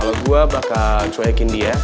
kalau gue bakal coekin dia